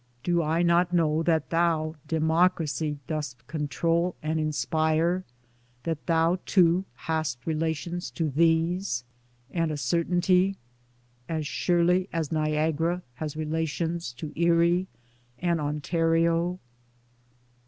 Do I not know that thou Democracy dost control and inspire, that thou, too, hast relations to these — and a certainty — As surely as Niagara has relations to Erie and Ontario